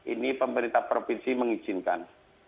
ini pemerintah provinsi mengizinkan